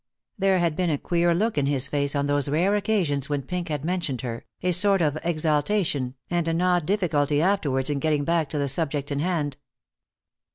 There had been a queer look in his face on those rare occasions when Pink had mentioned her, a sort of exaltation, and an odd difficulty afterwards in getting back to the subject in hand.